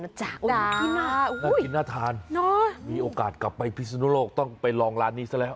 น่าขึ้นน่าทานมีโอกาสกลับไปพิษณุโลกต้องไปลองร้านนี้ต้องแล้ว